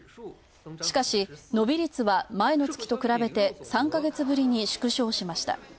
しかし、伸び率は前の月と比べて３ヶ月ぶりに縮小しました。